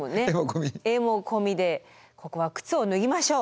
絵も込みで「ここはくつをぬぎましょう！！」。